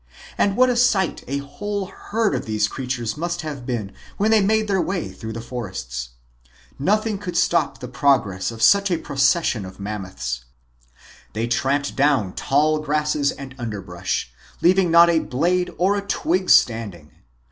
And what a sight a whole herd of these creatures must have been when they made their way through the forests ! Nothing could stop the prog ress of such a procession of Mammoths. They tramped down tall grasses and underbrush, leaving not a blade or a twig standing.